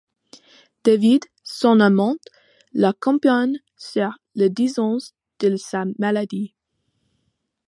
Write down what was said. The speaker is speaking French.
David, son amant, l'accompagne sur les dix ans de sa maladie.